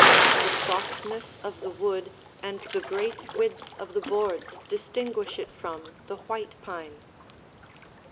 The softness of the wood and the great width of the boards distinguish it from the white pine.